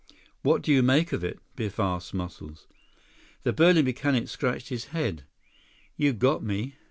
"What do you make of it?" Biff asked Muscles. The burly mechanic scratched his head. "You got me.